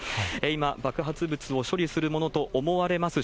今、爆発物を処理するものと思われます